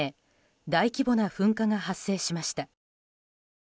大規模な噴火が発生しました。